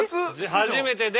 初めてで。